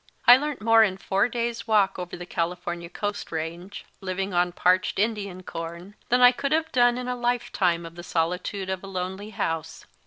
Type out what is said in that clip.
I learnt more in a four days walk over the California coast range, living on parched Indian corn, than I could have done in a lifetime of the solitude of a lonely house.